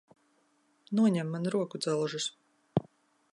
Noņem man rokudzelžus!